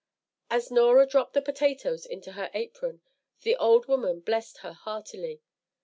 As Norah dropped the potatoes into her apron, the old woman blessed her heartily.